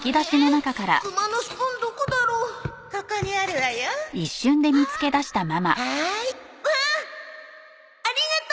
わあありがとう！